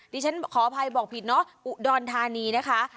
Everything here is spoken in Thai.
ดิฉันขออภัยบอกผิดเนาะอุดรธานีนะคะ